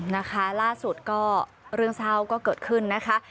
นะคะล่าสุดก็เรื่องเศร้าก็เกิดขึ้นนะคะ